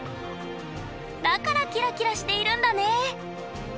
だからキラキラしているんだね